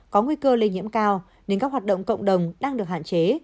có nguy cơ lây nhiễm cao nên các hoạt động cộng đồng đang được hạn chế